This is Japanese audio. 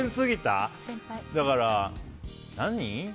だから、何。